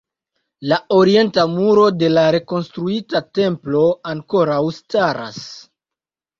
La Orienta Muro de la rekonstruita Templo ankoraŭ staras.